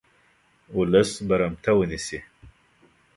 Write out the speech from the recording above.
ولس برمته ونیسي.